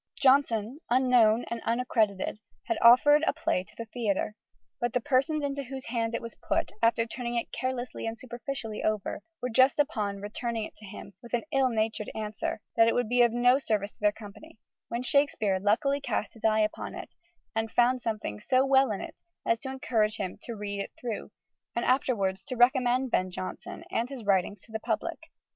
Jonson, unknown and unaccredited, had offered a play to the theatre. "But the persons into whose hands it was put, after turning it carelessly and superficially over, were just upon returning it to him, with an ill natured answer, that it would be of no service to their company, when Shakespeare luckily cast his eye upon it, and found something so well in it, as to encourage him to read it through, and afterwards to recommend Ben Jonson and his writings to the public."